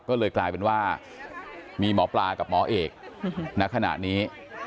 ก็เลยกลายเป็นว่ามีหมอปลากับหมอเอกณขณะนี้